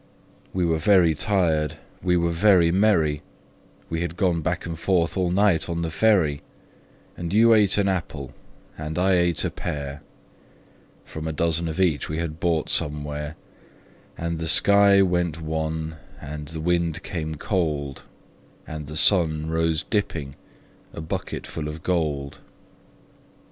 We were very tired, we were very merry We had gone back and forth all night on the ferry, And you ate an apple, and I ate a pear, From a dozen of each we had bought somewhere; And the sky went wan, and the wind came cold, And the sun rose dripping, a bucketful of gold.